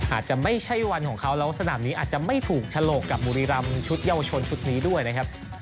อาจจะไม่ใช่วันของเขาแล้วสนามนี้อาจจะไม่ถูกฉลกกับบุรีรำชุดเยาวชนชุดนี้ด้วยนะครับ